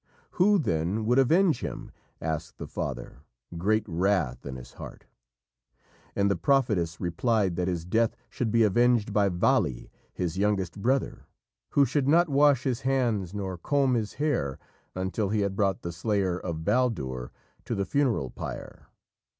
"Who, then, would avenge him?" asked the father, great wrath in his heart. And the prophetess replied that his death should be avenged by Vali, his youngest brother, who should not wash his hands nor comb his hair until he had brought the slayer of Baldur to the funeral pyre.